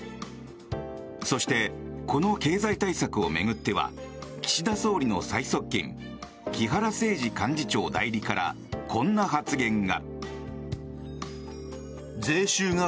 そして、この経済対策を巡っては岸田総理の最側近木原誠二幹事長代理からこんな発言が。